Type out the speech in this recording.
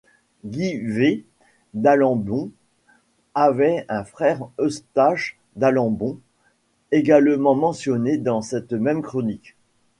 Guy V d'Alembon avait un frère Eustache d'Alembon également mentionné dans cette même chronique.